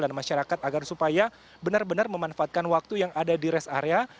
dan masyarakat agar supaya benar benar memanfaatkan waktu yang ada di rest area